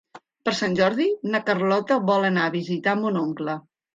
Per Sant Jordi na Carlota vol anar a visitar mon oncle.